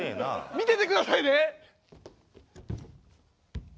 見ててくださいね！